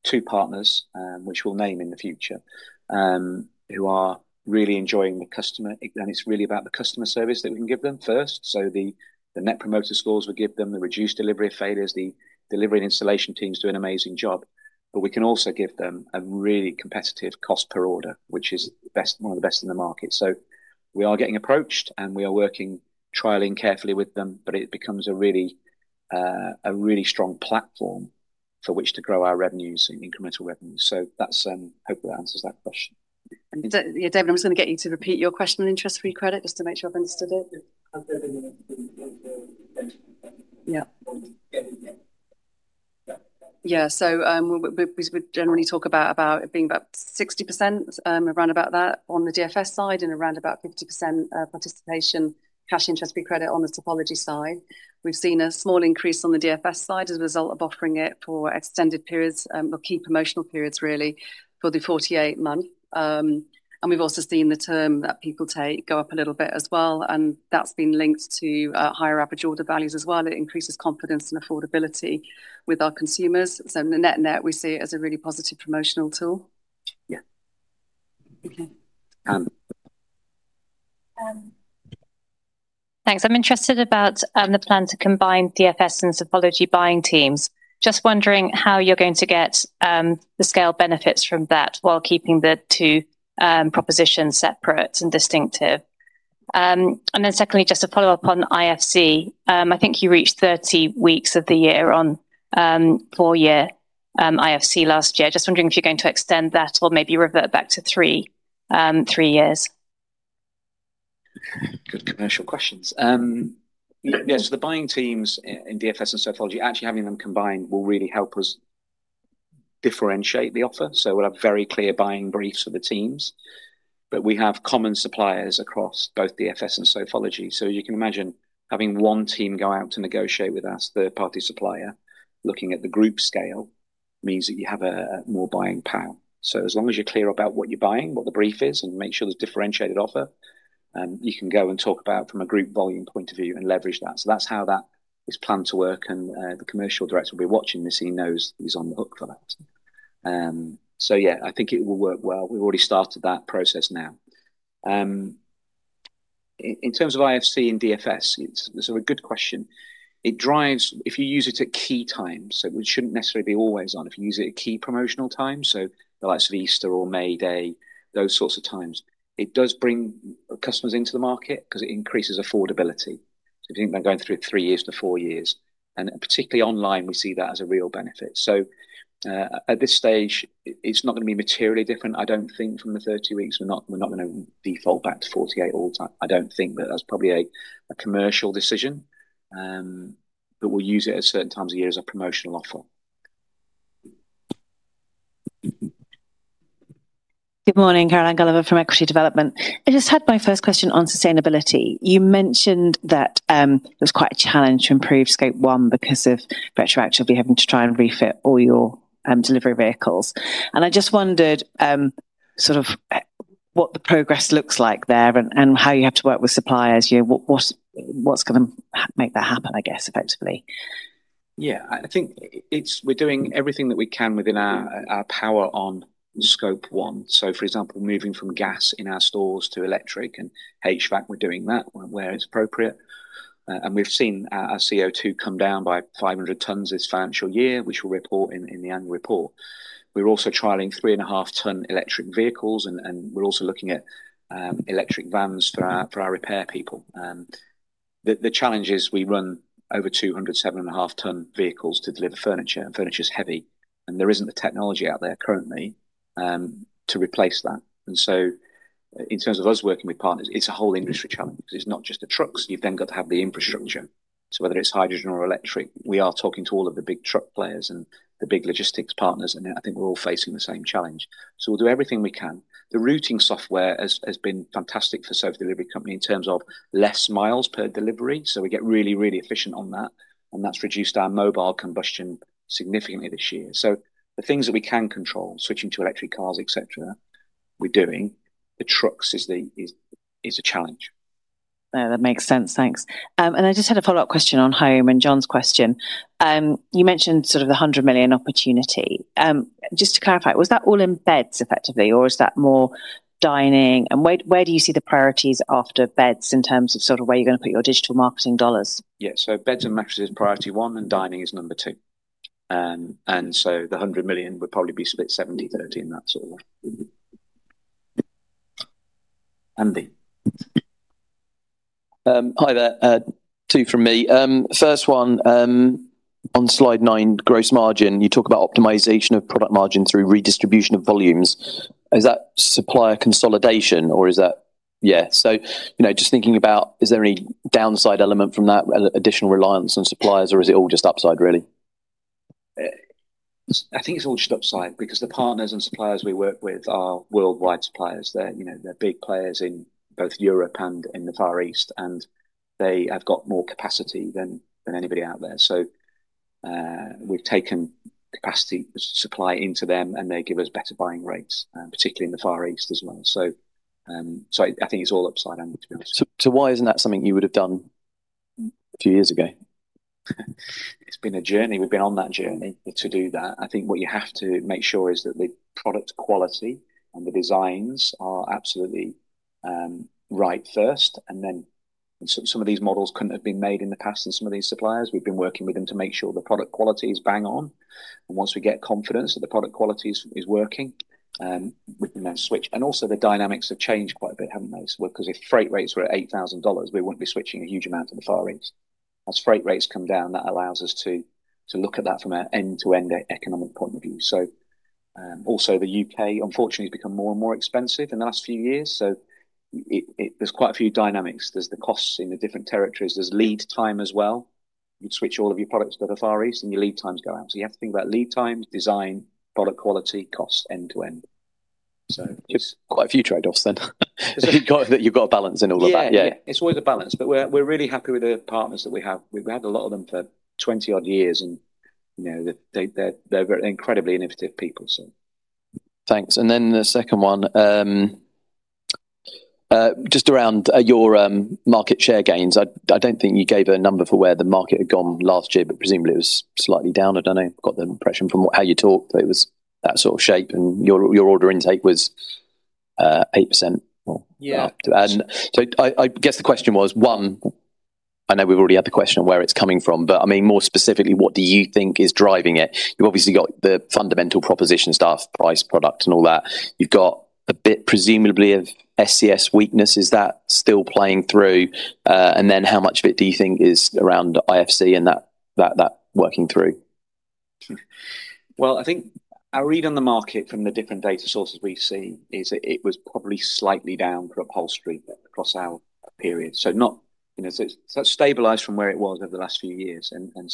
two partners, which we'll name in the future, who are really enjoying the customer, and it's really about the customer service that we can give them first. The net promoter scores we give them, the reduced delivery failures, the delivery and installation teams do an amazing job. We can also give them a really competitive cost per order, which is one of the best in the market. We are getting approached, and we are working, trialing carefully with them. It becomes a really strong platform for which to grow our revenues and incremental revenues. Hopefully that answers that question. David, I'm just going to get you to repeat your question on interest-free credit just to make sure I've understood it. Yeah, we generally talk about it being about 60% on the DFS side, and around 50% participation cash interest-free credit on the Sofology side. We've seen a small increase on the DFS side as a result of offering it for extended periods, or key promotional periods, really, for the 48 months. We've also seen the term that people take go up a little bit as well, and that's been linked to higher average order values as well. It increases confidence and affordability with our consumers. In the net net, we see it as a really positive promotional tool. Thanks. I'm interested about the plan to combine DFS and Sofology buying teams. I'm just wondering how you're going to get the scale benefits from that while keeping the two propositions separate and distinctive. Secondly, just to follow up on interest-free credit, I think you reached 30 weeks of the year on four-year interest-free credit last year. I'm just wondering if you're going to extend that or maybe revert back to three years. Good commercial questions. Yes, for the buying teams in DFS and Sofology, actually having them combined will really help us differentiate the offer. We'll have very clear buying briefs for the teams. We have common suppliers across both DFS and Sofology. As you can imagine, having one team go out to negotiate with a third-party supplier, looking at the Group scale, means that you have more buying power. As long as you're clear about what you're buying, what the brief is, and make sure there's a differentiated offer, you can go and talk about it from a group volume point of view and leverage that. That's how that is planned to work, and the Commercial Director will be watching this and he knows he's on the hook for that. I think it will work well. We've already started that process now. In terms of interest-free credit and DFS, it's a good question. It drives, if you use it at key times, so it shouldn't necessarily be always on. If you use it at key promotional times, like Easter or May Day, those sorts of times, it does bring customers into the market because it increases affordability. I think they're going through it three years to four years, and particularly online, we see that as a real benefit. At this stage, it's not going to be materially different, I don't think, from the 30 weeks. We're not going to default back to 48 all the time, I don't think, but that's probably a commercial decision. We'll use it at certain times of year as a promotional offer. Good morning, Caroline Gulliver from Equity Development. I just had my first question on sustainability. You mentioned that it was quite a challenge to improve Scope 1 because of retroactively having to try and refit all your delivery vehicles. I just wondered what the progress looks like there and how you have to work with suppliers. What's going to make that happen, I guess, effectively? Yeah, I think we're doing everything that we can within our power on Scope 1. For example, moving from gas in our stores to electric and HVAC, we're doing that where it's appropriate. We've seen our CO2 come down by 500 tons this financial year, which we'll report in the annual report. We're also trialing 3.5 ton electric vehicles, and we're also looking at electric vans for our repair people. The challenge is we run over 207 7.5 ton vehicles to deliver furniture, and furniture is heavy, and there isn't the technology out there currently to replace that. In terms of us working with partners, it's a whole industry challenge. It's not just the trucks. You've then got to have the infrastructure. Whether it's hydrogen or electric, we are talking to all of the big truck players and the big logistics partners, and I think we're all facing the same challenge. We'll do everything we can. The routing software has been fantastic for Sofa Delivery Company in terms of less miles per delivery, so we get really, really efficient on that, and that's reduced our mobile combustion significantly this year. The things that we can control, switching to electric cars, et cetera, we're doing. The trucks is a challenge. That makes sense. Thanks. I just had a follow-up question on home and John's question. You mentioned sort of the 100 million opportunity. Just to clarify, was that all in beds effectively, or is that more dining? Where do you see the priorities after beds in terms of where you're going to put your digital marketing dollars? Yeah, beds and mattresses is priority one, and dining is number two. The 100 million would probably be split 70-30 in that sort of way. Andy? Hi there. Two from me. First one, on slide nine, gross margin, you talk about optimization of product margin through redistribution of volumes. Is that supplier consolidation, or is that, yeah, just thinking about, is there any downside element from that additional reliance on suppliers, or is it all just upside really? I think it's all just upside because the partners and suppliers we work with are worldwide suppliers. They're big players in both Europe and in the Far East, and they have got more capacity than anybody out there. We've taken capacity supply into them, and they give us better buying rates, particularly in the Far East as well. I think it's all upside, to be honest. Why isn't that something you would have done two years ago? It's been a journey. We've been on that journey to do that. I think what you have to make sure is that the product quality and the designs are absolutely right first. Some of these models couldn't have been made in the past and some of these suppliers. We've been working with them to make sure the product quality is bang on. Once we get confidence that the product quality is working, we can now switch. The dynamics have changed quite a bit, haven't they? If freight rates were at $8,000, we wouldn't be switching a huge amount in the Far East. Once freight rates come down, that allows us to look at that from an end-to-end economic point of view. The U.K., unfortunately, has become more and more expensive in the last few years. There's quite a few dynamics. There's the costs in the different territories. There's lead time as well. You switch all of your products to the Far East and your lead times go out. You have to think about lead times, design, product quality, cost end-to-end. There are quite a few trade-offs then. You've got a balance in all of that. Yeah, it's always a balance. We're really happy with the partners that we have. We've had a lot of them for 20-odd years, and you know, they're incredibly innovative people. Thanks. The second one, just around your market share gains. I don't think you gave a number for where the market had gone last year, but presumably it was slightly down. I don't know. I've got the impression from how you talked that it was that sort of shape, and your order intake was 8%. Yeah. I guess the question was, one, I know we've already had the question of where it's coming from, but I mean, more specifically, what do you think is driving it? You've obviously got the fundamental proposition, staff, price, product, and all that. You've got a bit presumably of SCS weakness. Is that still playing through? How much of it do you think is around interest-free credit and that working through? I think our read on the market from the different data sources we've seen is that it was probably slightly down for upholstery across our period. It has stabilized from where it was over the last few years.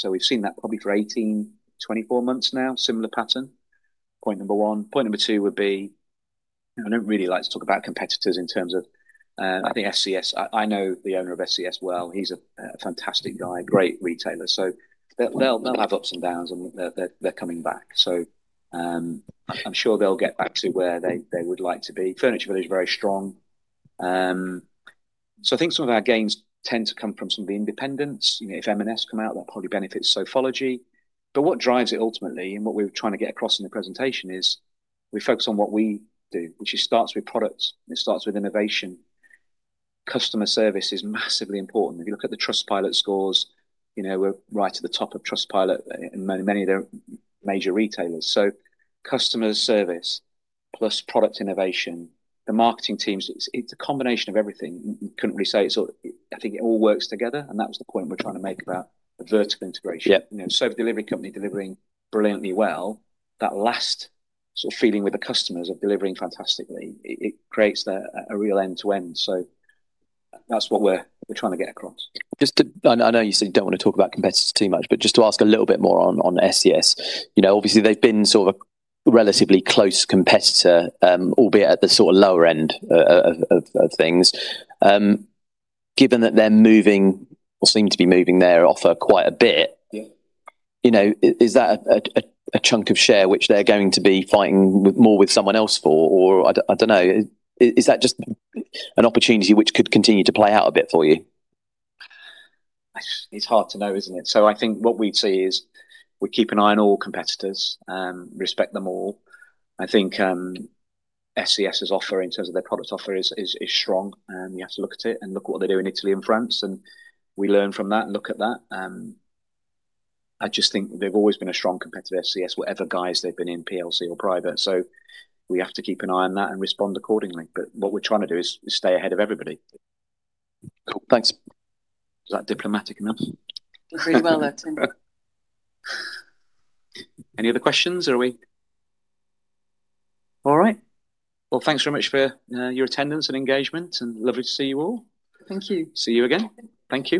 We've seen that probably for 18, 24 months now, similar pattern. Point number one. Point number two would be, I don't really like to talk about competitors in terms of, I think SCS, I know the owner of SCS well. He's a fantastic guy, a great retailer. They'll have ups and downs, and they're coming back. I'm sure they'll get back to where they would like to be. Furniture Village is very strong. I think some of our gains tend to come from some of the independents. If M&S come out, what probably benefits Sofology. What drives it ultimately, and what we're trying to get across in the presentation is we focus on what we do, which starts with products. It starts with innovation. Customer service is massively important. If you look at the Trustpilot scores, we're right at the top of Trustpilot and many of their major retailers. Customer service plus product innovation, the marketing teams, it's a combination of everything. You couldn't really say it's all, I think it all works together, and that was the point we're trying to make about the vertical integration. The Sofa Delivery Company delivering brilliantly well, that last sort of feeling with the customers of delivering fantastically, it creates a real end-to-end. That's what we're trying to get across. Just to.I know you said you don't want to talk about competitors too much, but just to ask a little bit more on SCS. Obviously, they've been sort of a relatively close competitor, albeit at the sort of lower end of things. Given that they're moving, or seem to be moving their offer quite a bit, is that a chunk of share which they're going to be fighting more with someone else for, or is that just an opportunity which could continue to play out a bit for you? It's hard to know, isn't it? I think what we'd see is we keep an eye on all competitors and respect them all. I think SCS's offer in terms of their product offer is strong, and you have to look at it and look at what they do in Italy and France, and we learn from that and look at that. I just think they've always been a strong competitor to DFS, whatever guise they've been in, PLC or private. We have to keep an eye on that and respond accordingly. What we're trying to do is stay ahead of everybody. Cool. Thanks. Is that diplomatic enough? Pretty well, that's it. Any other questions, or are we? All right. Thank you very much for your attendance and engagement, and lovely to see you all. Thank you. See you again. Thank you.